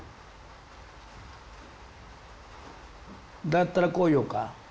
だったらこう言おうか。